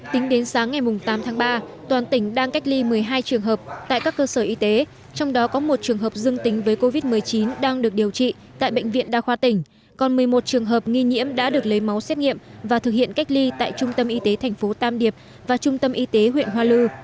tính đến sáng ngày tám tháng ba toàn tỉnh đang cách ly một mươi hai trường hợp tại các cơ sở y tế trong đó có một trường hợp dương tính với covid một mươi chín đang được điều trị tại bệnh viện đa khoa tỉnh còn một mươi một trường hợp nghi nhiễm đã được lấy máu xét nghiệm và thực hiện cách ly tại trung tâm y tế tp tam điệp và trung tâm y tế huyện hoa lư